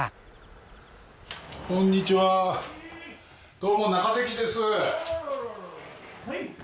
はい！